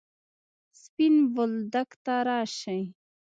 سپين بولدک ته راسئ!